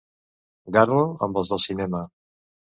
Garlo amb els del cinema.